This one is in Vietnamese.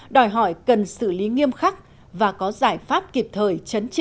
đòi hỏi cần xử lý nghiêm khắc và có giải pháp kịp thời chấn